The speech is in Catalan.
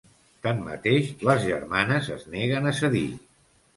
Tanmateix, les germanes es neguen a cedir.